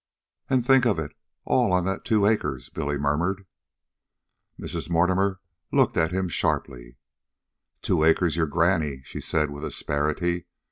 "An' think of it all that on two acres!" Billy murmured. Mrs. Mortimer looked at him sharply. "Two acres your granny," she said with asperity.